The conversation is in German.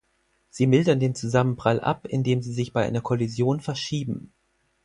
Sie mildern den Zusammenprall ab, indem sie sich bei einer Kollision verschieben.